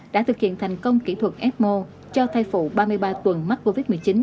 đã thực hiện thành công kỹ thuật ecmo cho thai phụ ba mươi ba tuần mắc covid một mươi chín